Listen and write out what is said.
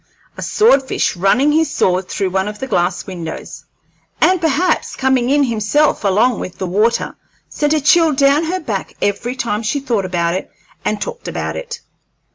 A sword fish running his sword through one of the glass windows, and perhaps coming in himself along with the water, sent a chill down her back every time she thought about it and talked about it.